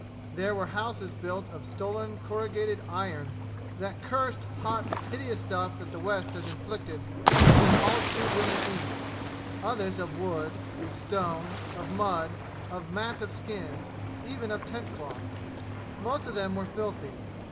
There were houses built of stolen corrugated iron that cursed, hot, hideous stuff that the West has inflicted on an all too willing East; others of wood of stone of mud of mats of skins even of tent cloth. Most of them were filthy.